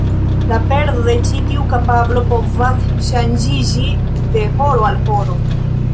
La perdo de ĉi tiu kapablo povas ŝanĝiĝi de horo al horo.